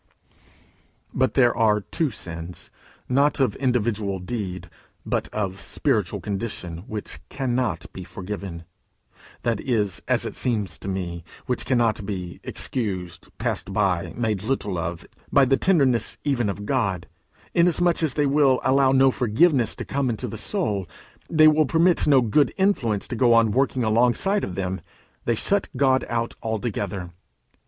But there are two sins, not of individual deed, but of spiritual condition, which cannot be forgiven; that is, as it seems to me, which cannot be excused, passed by, made little of by the tenderness even of God, inasmuch as they will allow no forgiveness to come into the soul, they will permit no good influence to go on working alongside of them; they shut God out altogether.